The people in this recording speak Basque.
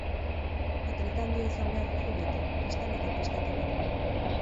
Atleta handia izan behar duzu beti, pistan eta pistatik kanpo.